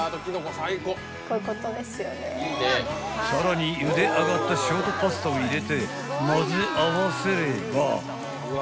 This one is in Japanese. ［さらにゆであがったショートパスタを入れて混ぜ合わせれば］